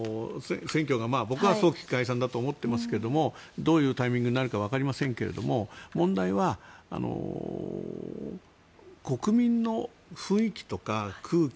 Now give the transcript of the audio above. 僕は早期解散だと思っていますが選挙がどういうタイミングになるかわかりませんけれど問題は国民の雰囲気とか空気